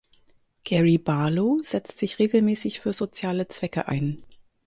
Gary Barlow setzt sich regelmäßig für soziale Zwecke ein.